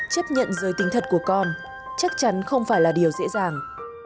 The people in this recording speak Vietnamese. chấp nhận giới tính thật của con chắc chắn không phải là điều dễ dàng